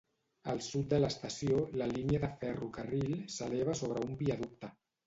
Al sud de l'estació, la línia de ferrocarril s'eleva sobre un viaducte.